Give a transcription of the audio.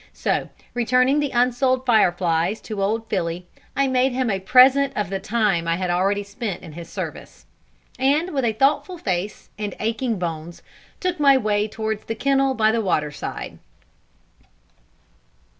So, returning the unsold "fire flies" to old Fily, I made him a present of the time I had already spent in his service, and, with a thoughtful face and aching bones, took my way towards the kennel by the water side.